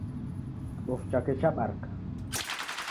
Kibofu chake chabarika